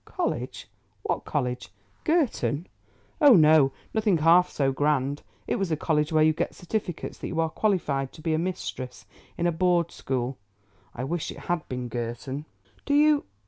"College? What college? Girton?" "Oh, no, nothing half so grand. It was a college where you get certificates that you are qualified to be a mistress in a Board school. I wish it had been Girton." "Do you?"